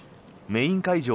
メイン会場